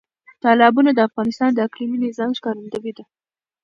تالابونه د افغانستان د اقلیمي نظام ښکارندوی ده.